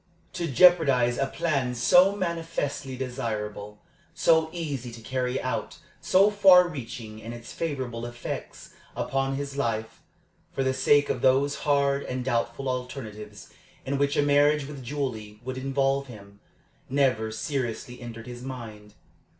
To jeopardize a plan so manifestly desirable, so easy to carry out, so far reaching in its favorable effects upon his life, for the sake of those hard and doubtful alternatives in which a marriage with Julie would involve him, never seriously entered his mind.